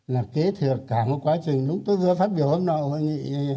là kế thược cả một quá trình lúc tôi vừa phát biểu hôm nào hội nghị